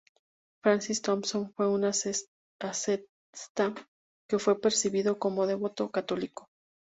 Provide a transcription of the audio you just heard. Francis Thompson fue un asceta que fue percibido como un devoto católico.